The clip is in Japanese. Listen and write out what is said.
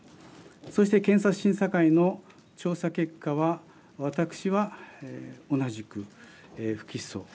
そして検察審査会の調査結果は私は同じく不起訴。